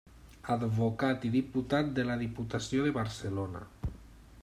Advocat i diputat de la diputació de Barcelona.